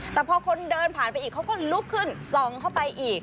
แต่พอคนเดินผ่านไปอีกเขาก็ลุกขึ้นส่องเข้าไปอีก